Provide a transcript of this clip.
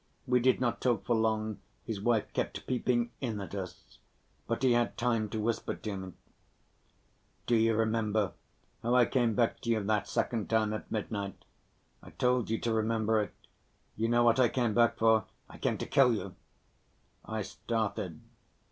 We did not talk for long, his wife kept peeping in at us. But he had time to whisper to me: "Do you remember how I came back to you that second time, at midnight? I told you to remember it. You know what I came back for? I came to kill you!" I started.